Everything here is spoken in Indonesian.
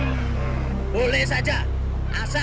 eh harus dikasih